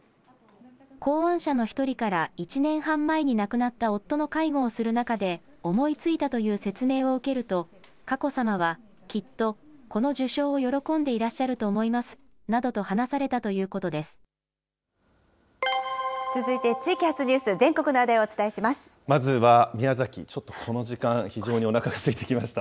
考案者の１人から１年半前に亡くなった夫の介護をする中で、思いついたという説明を受けると、佳子さまは、きっとこの受賞を喜んでいらっしゃると思いますなどと話されたと続いて地域発ニュース、全国まずは宮崎、ちょっとこの時間、非常におなかがすいてきました。